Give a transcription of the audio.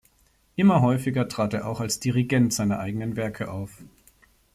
Immer häufiger trat er auch als Dirigent seiner eigenen Werke auf.